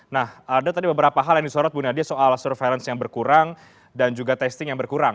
nah ada tadi beberapa hal yang disorot bu nadia soal surveillance yang berkurang dan juga testing yang berkurang